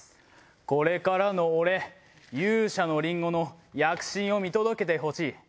これからの俺勇者のりんごの躍進を見届けてほしい。